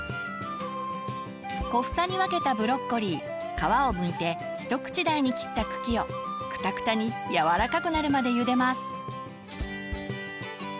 小房に分けたブロッコリー皮をむいて一口大に切った茎をくたくたに柔らかくなるまでゆでます。